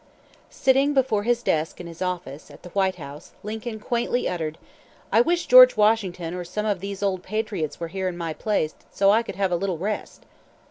Sitting before his desk in his office, at the White House, Lincoln quaintly uttered: "I wish George Washington or some of those old patriots were here in my place so that I could have a little rest."